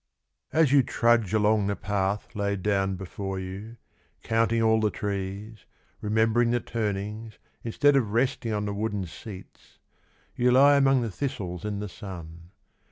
As you trudge along the path Laid down before you, Counting all the trees Remembering the turni; Instead of resting on the wooden seats You he among the thistles in the sun.